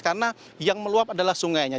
karena yang meluap adalah sungainya